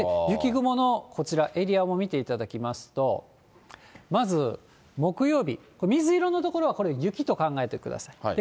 雪雲のこちら、エリアも見ていただきますと、まず、木曜日、水色の所はこれ、雪と考えてください。